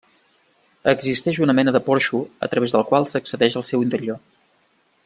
Existeix una mena de porxo a través del qual s'accedeix al seu interior.